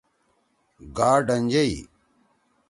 گا ڈنجئی۔